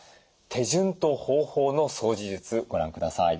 手順と方法の掃除術ご覧ください。